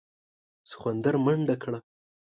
سخوندر منډه کړه.